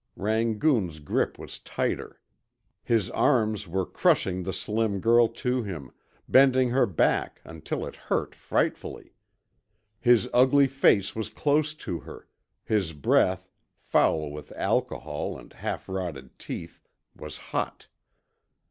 Rangoon's grip was tighter. His arms were crushing the slim girl to him, bending her back until it hurt frightfully. His ugly face was close to her, his breath, foul with alcohol and half rotted teeth, was hot.